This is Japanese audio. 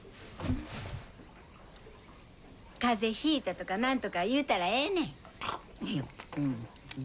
風邪ひいたとか何とか言うたらええねん。